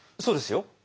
そうですよ。